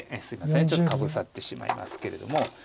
すいませんちょっとかぶさってしまいますけれども。